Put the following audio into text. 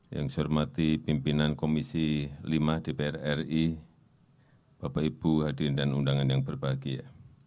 yang saya hormati pimpinan komisi lima dpr ri bapak ibu hadirin dan undangan yang berbahagia